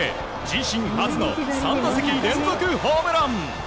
自身初の３打席連続ホームラン。